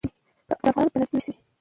د افغانانو په نصيب نوى شوې.